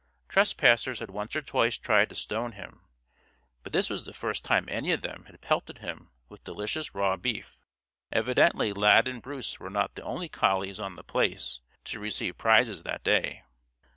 Trespassers had once or twice tried to stone him, but this was the first time any of them had pelted him with delicious raw beef. Evidently, Lad and Bruce were not the only collies on The Place to receive prizes that day.